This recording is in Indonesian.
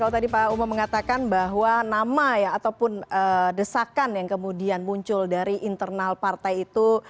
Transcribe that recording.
kalau tadi pak umam mengatakan bahwa nama ya ataupun desakan yang kemudian muncul dari internal partai itu